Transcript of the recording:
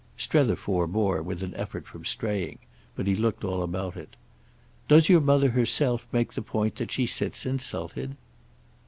Strether forbore, with an effort, from straying; but he looked all about him. "Does your mother herself make the point that she sits insulted?"